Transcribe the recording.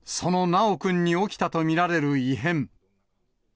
その修くんに起きたと見られる異変。